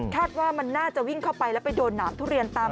ว่ามันน่าจะวิ่งเข้าไปแล้วไปโดนหนามทุเรียนตาม